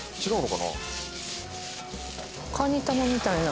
かに玉みたいな。